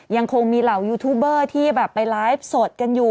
ยังคงมีเหล่ายูทูบเบอร์ที่แบบไปไลฟ์สดกันอยู่